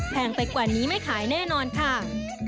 ไปกว่านี้ไม่ขายแน่นอนค่ะ